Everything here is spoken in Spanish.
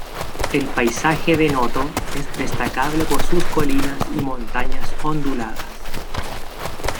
El paisaje de Noto es destacable por sus colinas y montañas onduladas.